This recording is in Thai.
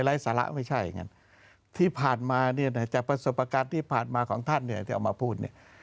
ไร้สาระไม่ใช่อย่างนั้นที่ผ่านมาจากประสบการณ์ที่ผ่านมาของท่านที่เอามาพูด